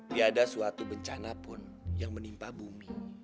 tiada suatu bencana pun yang menimpa bumi